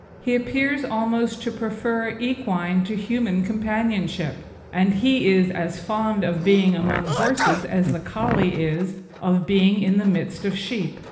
He appears almost to prefer equine to human companionship, and he is as fond of being among horses as the Collie is of being in the midst of sheep.